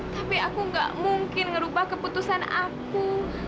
tapi aku gak mungkin ngerubah keputusan aku